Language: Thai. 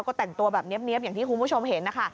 ก็แต่งตัวแบบเนี๊ยบอย่างที่คุณผู้ชมเห็นนะคะ